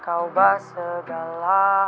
kau bah segala